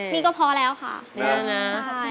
นี่ก็พอแล้วค่ะ